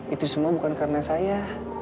itu semua bukan karena saya